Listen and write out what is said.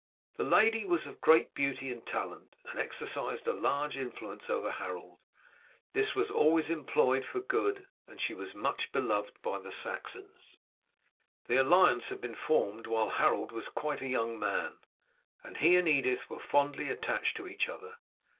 The lady was of great beauty and talent, and exercised a large influence over Harold. This was always employed for good, and she was much beloved by the Saxons. The alliance had been formed while Harold was quite a young man, and he and Edith were fondly attached to each other.